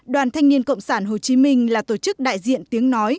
đoàn thanh niên cộng sản hồ chí minh là tổ chức đại diện tiếng nói